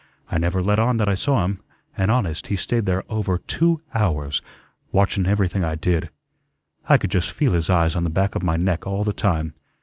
I never let on that I saw him, and, honest, he stayed there over two hours, watchun everything I did. I could just feel his eyes on the back of my neck all the time.